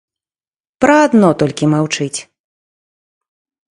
Пра адно толькі маўчыць.